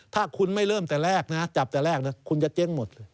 ถ้าคุณไม่เริ่มแต่แรกนะจับแต่แรกนะคุณจะเจ๊งหมด